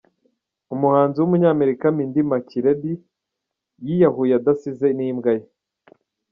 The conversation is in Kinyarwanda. Umuhanzi w’umunyamerika Mindi makiredi yiyahuye adasize n’ imbwa ye